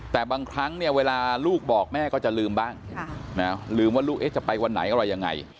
แต่บางครั้งเนี่ยเวลาลูกบอกแม่ก็จะลืมบ้างลืมว่าลูกจะไปวันไหนอะไรยังไง